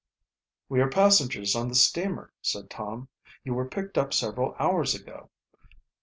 "We are passengers on the steamer," said Tom. "You were picked up several hours ago."